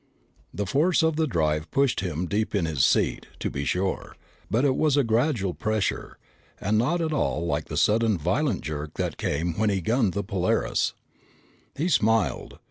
The force of the drive pushed him deep in his seat, to be sure, but it was a gradual pressure and not at all like the sudden violent jerk that came when he gunned the Polaris. He smiled.